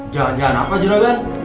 jangan jangan apa juragan